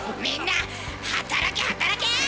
みんな働け働け！